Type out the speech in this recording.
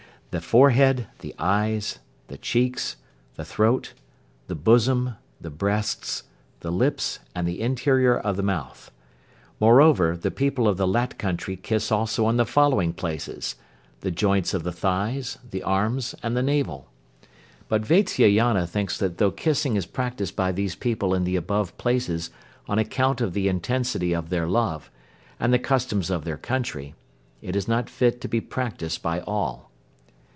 the forehead, the eyes, the cheeks, the throat, the bosom, the breasts, the lips, and the interior of the mouth. Moreover, the people of the Lat country kiss also on the following places, viz., the joints of the thighs, the arms, and the navel. But Vatsyayana thinks that though kissing is practised by these people in the above places on account of the intensity of their love, and the customs of their country, it is not fit to be practised by all.